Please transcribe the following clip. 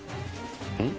うん？